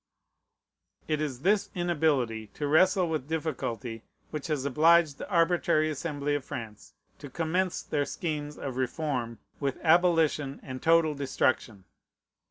It is this inability to wrestle with difficulty which has obliged the arbitrary Assembly of France to commence their schemes of reform with abolition and total destruction.